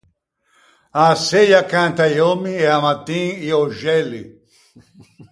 A-a seia canta i òmmi e a-a mattin i öxelli.